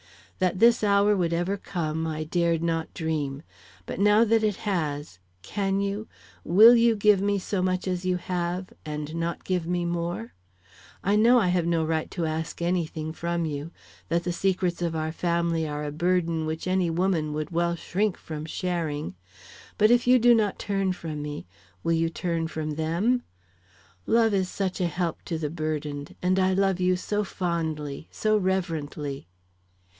That this hour would ever come I dared not dream, but now that it has, can you, will you give me so much as you have, and not give me more? I know I have no right to ask any thing from you; that the secrets of our family are a burden which any woman might well shrink from sharing, but if you do not turn from me, will you turn from them? Love is such a help to the burdened, and I love you so fondly, so reverently."